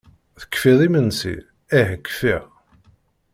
Tekfiḍ imensi? Ih kfiɣ!